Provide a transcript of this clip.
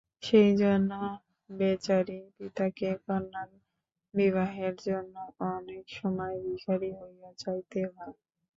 সেইজন্য বেচারী পিতাকে কন্যার বিবাহের জন্য অনেক সময় ভিখারী হইয়া যাইতে হয়।